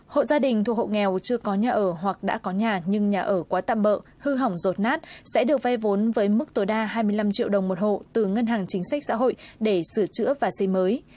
hộ gia đình thuộc hộ nghèo chưa có nhà ở hoặc đã có nhà nhưng nhà ở quá tạm bỡ hư hỏng rột nát sẽ được vay vốn với mức tối đa hai mươi năm triệu đồng một hộ từ ngân hàng chính sách xã hội để sửa chữa và xây mới